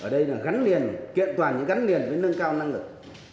ở đây là gắn liền kiện toàn gắn liền với nâng cao năng lực